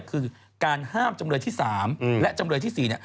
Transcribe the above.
คือการห้ามจำเรือที่๓และจำเรือที่๔เนี่ย